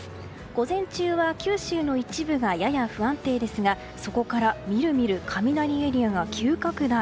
午前中は九州の一部がやや不安定ですがそこから見る見る雷エリアが急拡大。